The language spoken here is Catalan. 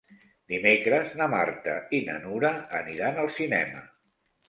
Dimecres na Marta i na Nura aniran al cinema.